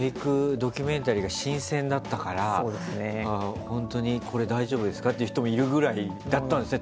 ドキュメンタリーが新鮮だったから本当にこれ大丈夫ですか？って言う人もいるぐらいだったんですね